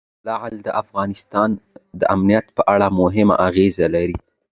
لعل د افغانستان د امنیت په اړه هم اغېز لري.